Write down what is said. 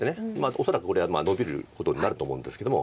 恐らくこれはノビることになると思うんですけども。